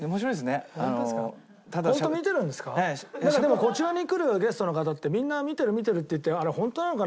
こちらに来るゲストの方ってみんな見てる見てるって言ってあれホントなのかな？